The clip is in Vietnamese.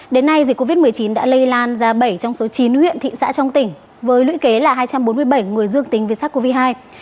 đến nay dịch covid một mươi chín đã lây lan ra bảy trong số chín huyện thị xã trong tỉnh với lũy kế là hai trăm bốn mươi bảy người dương tính với sars cov hai